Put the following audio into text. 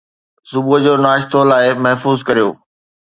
صبح جو ناشتو لاء محفوظ ڪريو